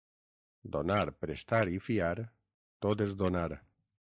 Donar, prestar i fiar... tot és donar.